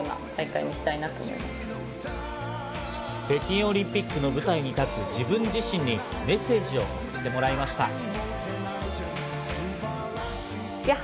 北京オリンピックの舞台に立つ自分自身にメッセージを送ってもらいました。